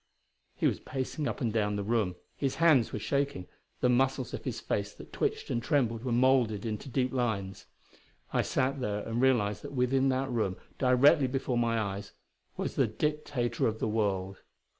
He was pacing up and down the room. His hands were shaking; the muscles of his face that twitched and trembled were moulded into deep lines. I sat there and realized that within that room, directly before my eyes, was the Dictator of the World.